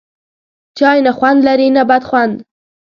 چای، نه خوند لري نه بد خوند